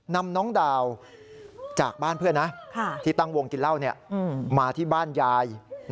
นำน้องดาวจากบ้านเพื่อนนะที่ตั้งวงกินเหล้ามาที่บ้านยาย